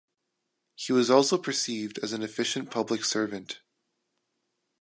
He was also perceived as an efficient public servant.